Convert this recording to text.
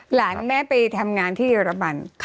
หลานแม่ไปทำงานที่เยอรมัน